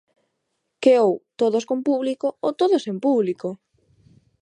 Que ou todos con público ou todos sen público.